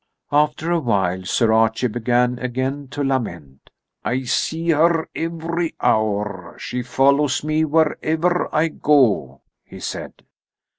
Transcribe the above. After a while Sir Archie began again to lament. "I see her every hour. She follows me wherever I go," he said.